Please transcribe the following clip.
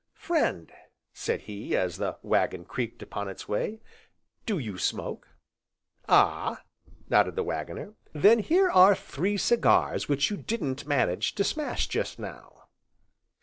"Friend," said he, as the waggon creaked upon its way, "Do you smoke?" "Ah!" nodded the Waggoner. "Then here are three cigars which you didn't manage to smash just now."